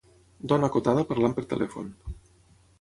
Dona acotada parlant per telèfon.